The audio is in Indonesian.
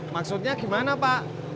maksudnya gimana pak